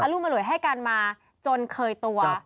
อลูมรวยให้กันมาจนเคยตัว